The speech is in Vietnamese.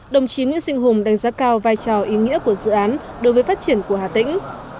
đồng chí nguyễn sinh hùng đánh giá cao vai trò ý nghĩa của dự án đối với phát triển của hà tĩnh